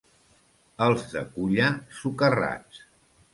Els de Culla, socarrats.